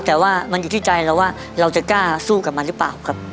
แต่ว่ามันอยู่ที่ใจเราว่าเราจะกล้าสู้กับมันหรือเปล่าครับ